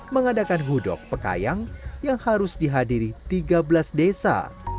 mengadakan hudok pekayang yang harus dihadiri tiga belas desa